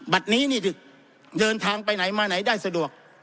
นี้นี่เดินทางไปไหนมาไหนได้สะดวก